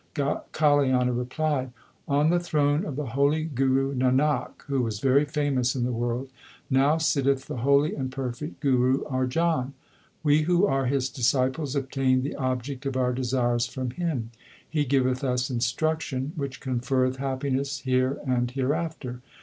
Kaliana replied : On the throne of the holy Guru Nanak, who was very famous in the world, now sit tech the holy and perfect Guru Arjan. We who are his disciples obtain the object of our desires from him. He giveth us instruction, which conferreth hap piness here and hereafter.